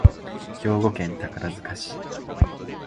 兵庫県宝塚市